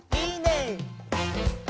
いいね！